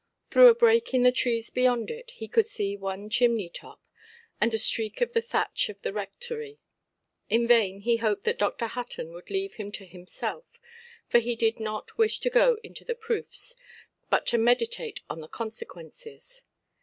Through a break in the trees beyond it, he could see one chimney–top and a streak of the thatch of the Rectory. In vain he hoped that Dr. Hutton would leave him to himself; for he did not wish to go into the proofs, but to meditate on the consequences.